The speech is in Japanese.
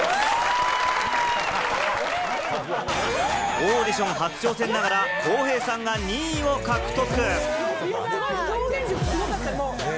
オーディション初挑戦ながらコウヘイさんが２位を獲得。